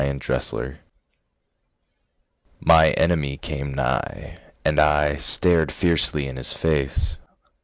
Y Z Hate My enemy came nigh, And I Stared fiercely in his face.